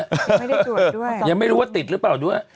ไม่ได้ตรวจด้วยยังไม่รู้ว่าติดหรือเปล่าด้วย